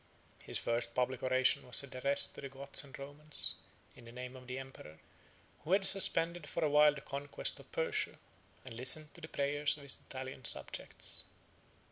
His first public oration was addressed to the Goths and Romans, in the name of the emperor, who had suspended for a while the conquest of Persia, and listened to the prayers of his Italian subjects.